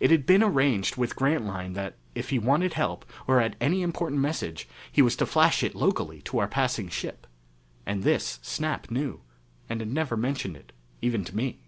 It had been arranged with Grantline that if he wanted help or had any important message, he was to flash it locally to our passing ship. And this Snap knew, and had never mentioned it, even to me.